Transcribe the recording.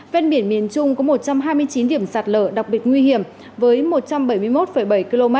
ven biển miền trung có một trăm hai mươi chín điểm sạt lở đặc biệt nguy hiểm với một trăm bảy mươi một bảy km